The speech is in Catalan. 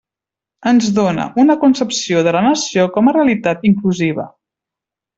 Ens dóna una concepció de la nació com a realitat inclusiva.